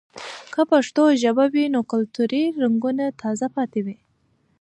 که پښتو ژبه وي، نو کلتوري رنګونه تازه پاتې وي.